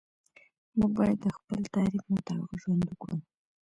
موږ باید د خپل تعریف مطابق ژوند وکړو.